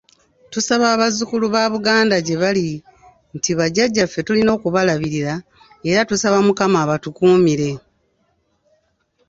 Tusaba abazzukulu ba Buganda gye bali nti bajjajjaffe tulina okubalabirira era tusaba Mukama abatukuumire.